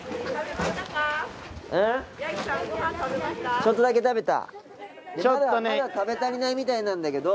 ちょっとだけ食べた！